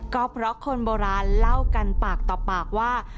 ก็เพราะคนโบราณเล่ากันปากต่อปากว่า